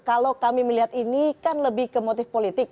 kalau kami melihat ini kan lebih ke motif politik